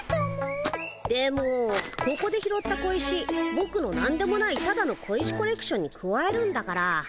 でもここで拾った小石ぼくのなんでもないただの小石コレクションにくわえるんだから。